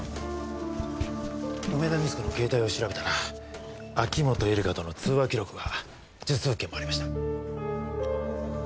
梅田三津子の携帯を調べたら秋本恵利香との通話記録が十数件もありました。